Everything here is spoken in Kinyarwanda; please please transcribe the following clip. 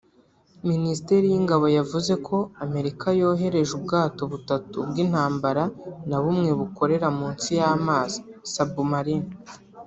Minisiteri y’Ingabo yavuze ko Amerika yohereje ubwato butatu bw’intambara na bumwe bukorera munsi y’amazi (submarine)